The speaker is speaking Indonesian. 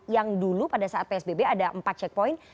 yang dulu pada saat psbb ada empat checkpoint